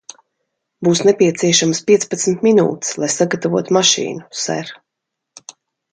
Būs nepieciešamas piecpadsmit minūtes, lai sagatavotu mašīnu, ser.